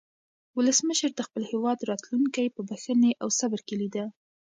ولسمشر د خپل هېواد راتلونکی په بښنې او صبر کې لیده.